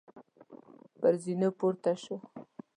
پر زینو پورته شوو.